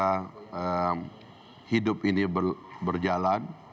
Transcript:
yang hidup ini berjalan